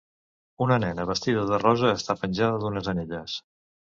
una nena vestida de rosa està penjada d'unes anelles.